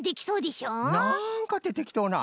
「なんか」っててきとうな。